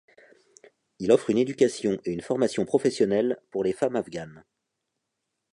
Il offre une éducation et une formation professionnelle pour les femmes afghanes.